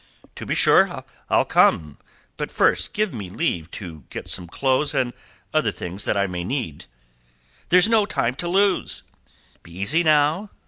"To be sure, I'll come. But first give me leave to get some clothes and other things that I may need." "There's no time to lose." "Be easy now.